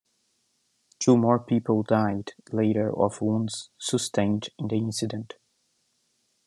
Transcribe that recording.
Two more people died later of wounds sustained in the incident.